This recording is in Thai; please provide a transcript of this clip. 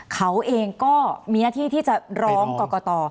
เขาเองก็มีหน้าที่ที่จะร้องกรกต